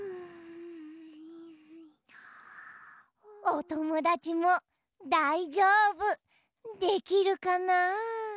おともだちもだいじょうぶできるかな？